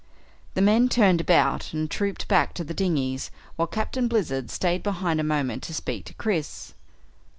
The men turned about and trouped back to the dinghies, while Captain Blizzard stayed behind a moment to speak to Chris.